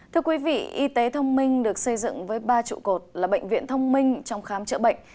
thưa quý vị y tế thông minh được xây dựng với ba trụ cột là bệnh viện thông minh trong khám chữa bệnh